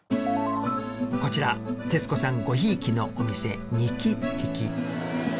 こちら徹子さんごひいきのお店。